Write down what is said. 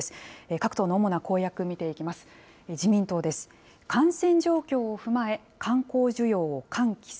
各党の主な公約、見ていきます。